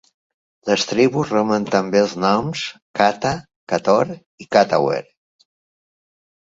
Les tribus reben també els noms "Kata", "Kator" i "Katawer".